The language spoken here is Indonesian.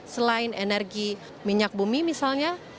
selain energi minyak bumi misalnya